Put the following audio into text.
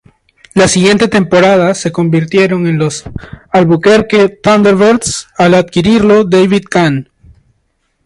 La siguiente temporada se convirtieron en los Albuquerque Thunderbirds al adquirirlo David Kahn.